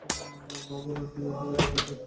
মা, বোন, আন্টি, মেয়ের হাজারও অডিশন দিয়েছি।